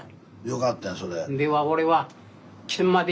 よかったやんそれ。